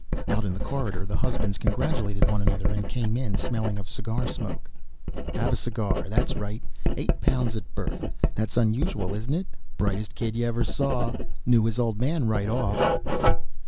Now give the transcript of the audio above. Out in the corridor the husbands congratulated one another and came in smelling of cigar smoke. "Have a cigar! That's right. Eight pounds at birth. That's unusual, isn't it? Brightest kid you ever saw. Knew his old man right off."